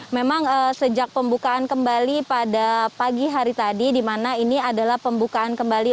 memang sejak pembukaan kembali pada pagi hari tadi di mana ini adalah pembukaan kembali